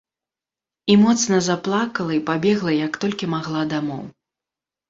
І моцна заплакала і пабегла як толькі магла дамоў.